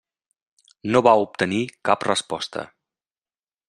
No va obtenir cap resposta.